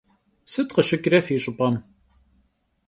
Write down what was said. Сыт къыщыкӏрэ фи щӏыпӏэм?